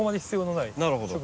なるほど。